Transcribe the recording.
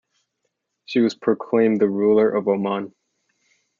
Said was proclaimed ruler of Oman.